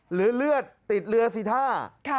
หรือเลือดติดเรือสิท่า